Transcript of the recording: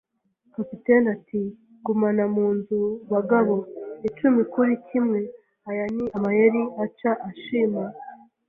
Kapiteni ati: "Gumana mu nzu, bagabo." “Icumi kuri kimwe aya ni amayeri.” Aca ashima